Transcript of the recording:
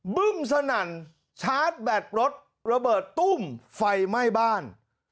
บึ้มสนั่นชาร์จแบตรถระเบิดตุ้มไฟไหม้บ้าน